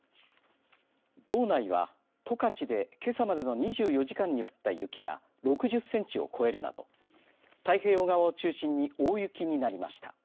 道内は、十勝で、けさまでの２４時間に降った雪が６０センチを超えるなど太平洋側を中心に大雪になりました。